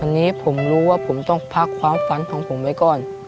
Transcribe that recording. อันนี้ผมรู้ว่าผมต้องพักความฝันของผมไว้ก่อน